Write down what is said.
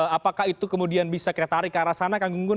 apakah itu kemudian bisa kita tarik ke arah sana kang gunggun